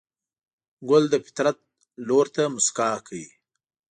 ګل د فطرت لور ته موسکا کوي.